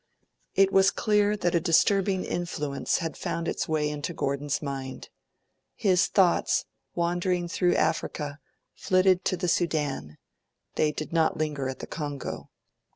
It was clear that a disturbing influence had found its way into Gordon's mind. His thoughts, wandering through Africa, flitted to the Sudan; they did not linger at the Congo.